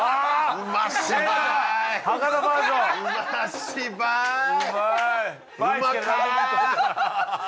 うまい